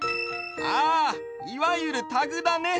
ああいわゆるタグだね。